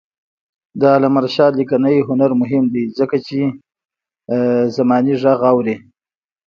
د علامه رشاد لیکنی هنر مهم دی ځکه چې زمانې غږ اوري.